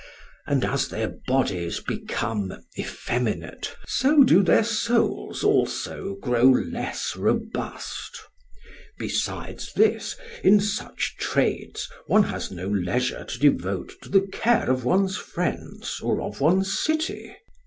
And as their bodies become effeminate, so do their souls also grow less robust. Besides this, in such trades one has no leisure to devote to the care of one's friends or of one's city.